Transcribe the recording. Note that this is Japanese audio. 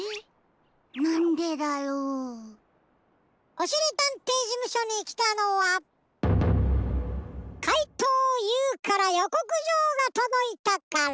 おしりたんていじむしょにきたのはかいとうＵからよこくじょうがとどいたから。